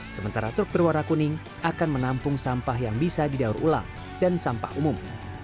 sementara truk berwarna kuning akan menampung sampah yang bisa didaur ulang dan sampah umum